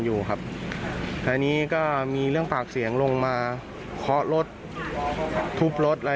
อยู่ครับทีนี้ก็มีเรื่องปากเสียงลงมาเคาะรถทุบรถอะไร